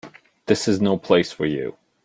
This is no place for you.